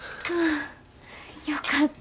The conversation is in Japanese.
よかった。